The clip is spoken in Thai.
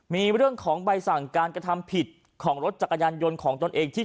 มีเรื่องของใบสั่งการกระทำผิดของรถจักรยานยนต์ของตนเองที่